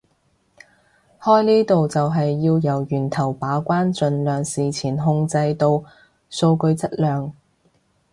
開呢度就係要由源頭把關盡量事前控制到數據質量